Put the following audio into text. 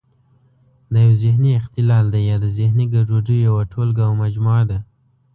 دا یو ذهني اختلال دی یا د ذهني ګډوډیو یوه ټولګه او مجموعه ده.